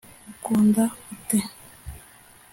ukunda ute